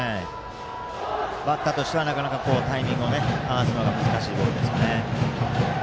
バッターとしてはなかなかタイミングを合わせるのが難しいボールですかね。